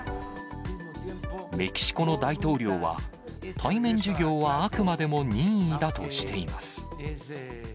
メキシコの大統領は、対面授業はあくまでも任意だとしています。